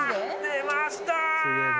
出ました！